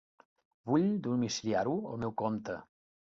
Vull domiciliar-ho al meu compte.